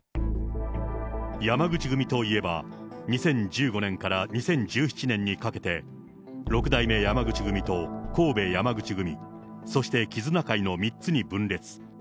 山口組といえば、２０１５年から２０１７年にかけて、６代目山口組と神戸山口組、そして絆会の３つに分裂。